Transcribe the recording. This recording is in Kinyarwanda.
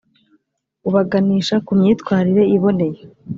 ubaganisha ku myitwarire iboneye